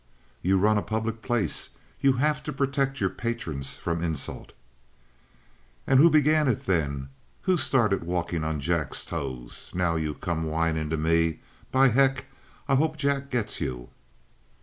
"You run a public place. You have to protect your patrons from insult." "And who began it, then? Who started walkin' on Jack's toes? Now you come whinin' to me! By heck, I hope Jack gets you!"